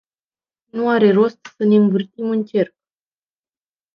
Nu are rost să ne învârtim în cerc.